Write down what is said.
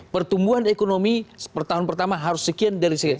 pertumbuhan ekonomi per tahun pertama harus sekian dari sekian